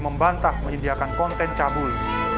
membantah menyediakan konten cabul